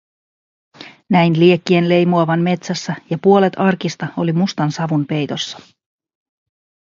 Näin liekkien leimuavan metsässä ja puolet arkista oli mustan savun peitossa.